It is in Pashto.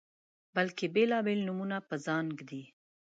بلکې بیلابیل نومونه په ځان ږدي